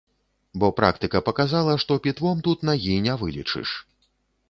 Бо практыка паказала, што пітвом тут нагі не вылечыш.